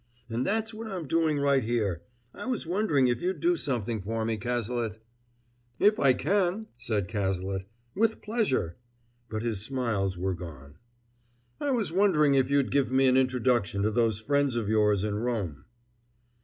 And that's what I'm doing right here. I was wondering if you'd do something for me, Cazalet?" "If I can," said Cazalet, "with pleasure." But his smiles were gone. "I was wondering if you'd give me an introduction to those friends of yours in Rome!"